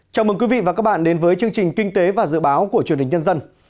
chào mừng quý vị và các bạn đến với chương trình kinh tế và dự báo của truyền hình nhân dân